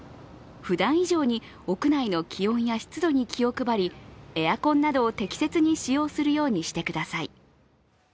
ふだん以上に屋内の気温や湿度に気を配り、エアコンなどを適切に使用するようにしてください。